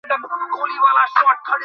ম্যাভ, শত্রুর দুটো বিমান, ঠিক নিচে রয়েছে।